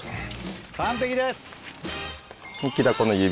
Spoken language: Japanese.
完璧です！